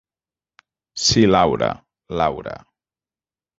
Si Laura, "l'aura".